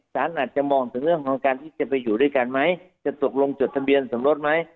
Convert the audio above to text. สารอาจจะมองถึงเรื่องของการที่จะไปอยู่ด้วยกันไหมจะตกลงจดทะเบียนสมรสไหม